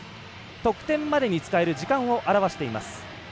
得点までに使える時間を表しています。